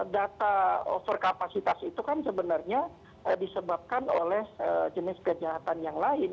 data overkapasitas itu kan sebenarnya disebabkan oleh jenis kejahatan yang lain